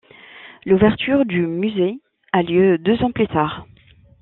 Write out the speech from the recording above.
L'ouverture du musée a lieu deux ans plus tard.